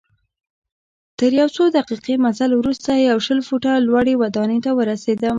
تر یو څو دقیقې مزل وروسته یوه شل فوټه لوړي ودانۍ ته ورسیدم.